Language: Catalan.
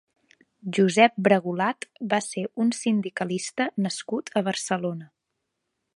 Josep Bragulat va ser un sindicalista nascut a Barcelona.